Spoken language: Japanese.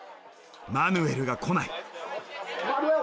マヌエルが来ない。